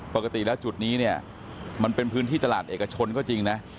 ปกติแล้วจุดนี้เนี่ยมันเป็นพื้นที่ตลาดเอกชนก็จริงนะ